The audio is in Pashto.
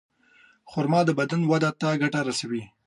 خرما د بدن وده ته ګټه رسوي.